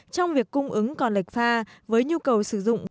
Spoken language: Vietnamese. trong việc cung ứng còn lệch pha với nhu cầu sử dụng